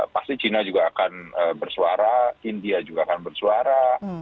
pasti china juga akan bersuara india juga akan bersuara